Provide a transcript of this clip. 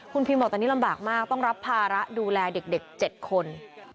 คุณพิมบอกตอนนี้ลำบากมากต้องรับภาระดูแลเด็ก๗คน